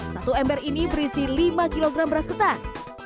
satu ember ini berisi lima kg beras ketan